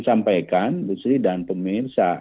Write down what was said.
sampaikan bukhari dan pemirsa